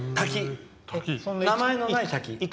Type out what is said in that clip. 名前のない滝。